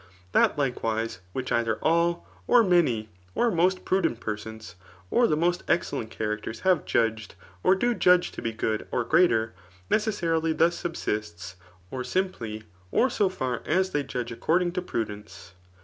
That, likewise, which either all, or many, or most prudent persons, or the most excellent characters have judged or do judge to be good or greater, necessarily thus subsists^ or sim ply, or so far as they judge according to prudence.